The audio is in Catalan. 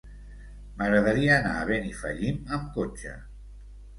M'agradaria anar a Benifallim amb cotxe.